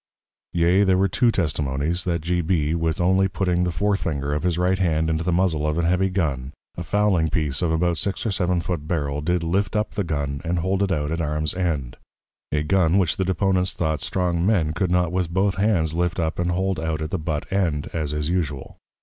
Yea, there were two Testimonies, that G. B. with only putting the Fore Finger of his Right hand into the Muzzle of an heavy Gun, a Fowling piece of about six or seven foot Barrel, did lift up the Gun, and hold it out at Arms end; a Gun which the Deponents thought strong Men could not with both hands lift up, and hold out at the But end, as is usual.